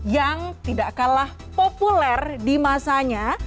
yang tidak kalah populer di masanya